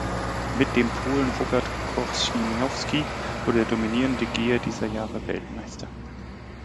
Mit dem Polen Robert Korzeniowski wurde der dominierende Geher dieser Jahre Weltmeister.